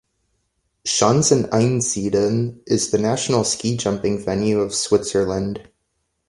Schanzen Einsiedeln is the national ski jumping venue of Switzerland.